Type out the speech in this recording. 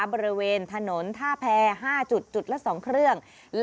บริเวณถนนท่าแพร๕จุดจุดละ๒เครื่อง